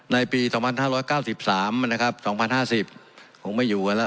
ในปีสองพันห้าร้อยเก้าสิบสามนะครับสองพันห้าสิบผมไม่อยู่กันล่ะ